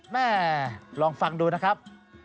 แม่ลองฟังดูนะครับ